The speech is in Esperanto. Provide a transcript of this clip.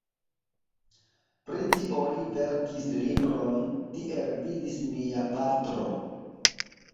Pri tio li verkis libron "Tiel vidis mia patro".